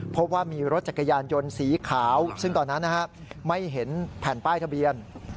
พบว่ามีรถจักรยานยนต์สีขาวซึ่งตอนนั้นไม่เห็นแผ่นป้ายทะเบียน